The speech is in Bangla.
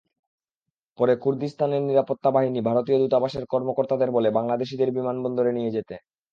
পরে কুর্দিস্তানের নিরাপত্তা বাহিনী ভারতীয় দূতাবাসের কর্মকর্তাদের বলে বাংলাদেশিদের বিমানবন্দরে নিয়ে যেতে।